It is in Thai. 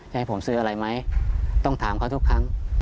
ให้ผมซื้ออะไรไหมต้องถามเขาทุกครั้ง